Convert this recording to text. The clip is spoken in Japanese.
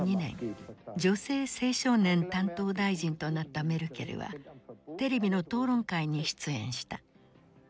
女性・青少年担当大臣となったメルケルはテレビの討論会に出演した。